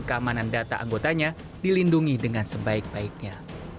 keamanan data anggotanya dilindungi dengan sebaik baiknya